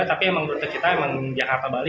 tapi emang bruto kita emang jakarta bali